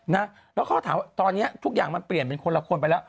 นะแล้วเขาก็ถามว่าตอนนี้ทุกอย่างมันเปลี่ยนเป็นคนละคนไปแล้ว